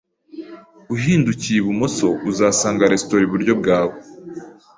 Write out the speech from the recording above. Uhindukiye ibumoso, uzasanga resitora iburyo bwawe.